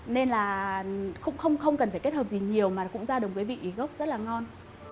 nên là không cần phải kết hợp gì nhiều mà cũng ra đồng với vị gốc rất là ngon